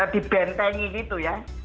dibentengi gitu ya